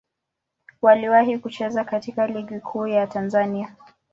Waliwahi kucheza katika Ligi Kuu ya Tanzania.